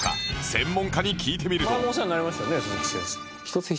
専門家に聞いてみると